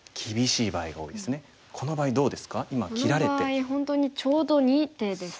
この場合本当にちょうど２手ですね。